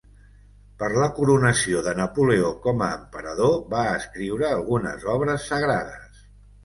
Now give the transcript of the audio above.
Per la coronació de Napoleó com emperador, va escriure algunes obres sagrades.